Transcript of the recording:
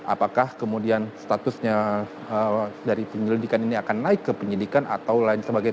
apakah kemudian statusnya dari penyelidikan ini akan naik ke penyidikan atau lain sebagainya